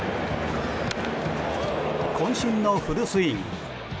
渾身のフルスイング。